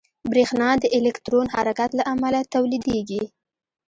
برېښنا د الکترون حرکت له امله تولیدېږي.